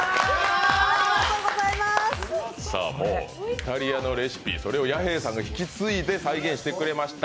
さあ、イタリアのレシピ、それを弥平さんが引き継いで再現してくれました。